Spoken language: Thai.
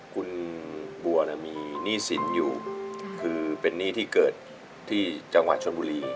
คุณบัวมีหนี้สินอยู่คือเป็นหนี้ที่เกิดที่จังหวัดชนบุรี